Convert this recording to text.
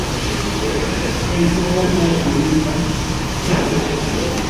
Eikó močiwipa.